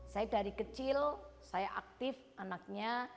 saya dari kecil saya aktif anaknya